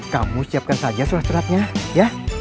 kamu siapkan saja surat suratnya ya